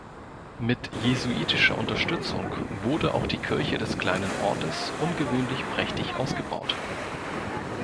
Mit jesuitischer Unterstützung wurde auch die Kirche des kleinen Ortes ungewöhnlich prächtig ausgebaut.